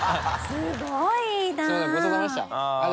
すごいな！